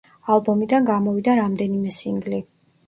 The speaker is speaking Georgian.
ალბომიდან გამოვიდა რამდენიმე სინგლი.